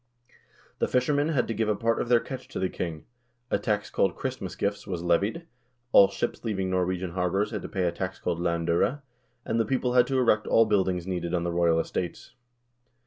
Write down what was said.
The fishermen had to give a part of their catch to the king ; a tax called " Christmas gifts " was levied; all ships leaving Norwegian harbors had to pay a tax called "land0re," and the people had to erect all buildings needed on the royal estates.